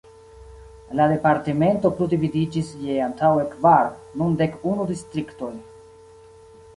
La departemento plu dividiĝis je antaŭe kvar, nun dek unu distriktoj.